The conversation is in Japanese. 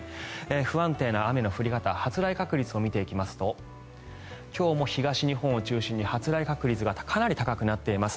不安定な雨の降り方発雷確率を見ていきますと今日も東日本を中心に発雷確率がかなり高くなっています。